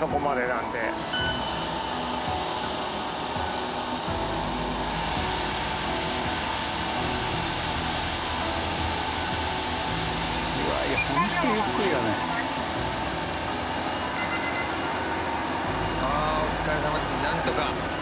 なんとか。